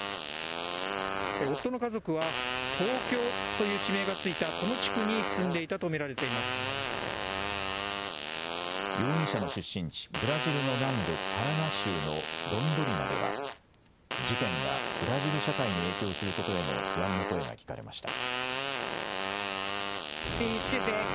夫の家族は、東京という地名が付いたこの地区に住んでいたと容疑者の出身地、ブラジルの南部パラナ州のロンドリナでは、事件がブラジル社会に影響することへの不安の声が聞かれました。